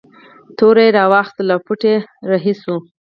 توره یې راواخیستله او پټ رهي شو.